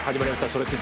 「それって！？